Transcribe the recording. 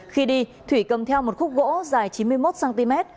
khi đi thủy cầm theo một khúc gỗ dài chín mươi một cm